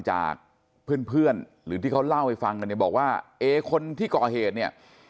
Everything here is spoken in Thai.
จากเพื่อนหรือที่เขาเล่าไปฟังกันบอกว่าคนที่ก่อเหตุเนี่ย